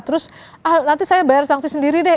terus nanti saya bayar sanksi sendiri deh